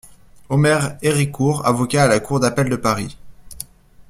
Omer Héricourt avocat à la Cour d'appel de Paris!